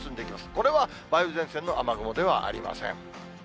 これは梅雨前線の雨雲ではありません。